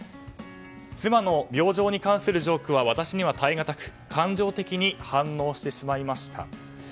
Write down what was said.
妻の病状に関するジョークは私には耐えがたく感情的に反応してしまいました。